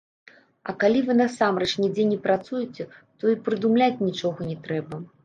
А калі вы насамрэч нідзе не працуеце, то і прыдумляць нічога не трэба.